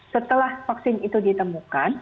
setelah vaksin itu ditemukan